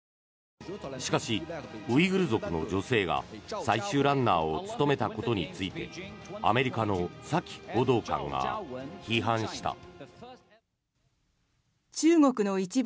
しかし、ウイグル族の女性が最終ランナーを務めたことについてアメリカのサキ報道官が批判した。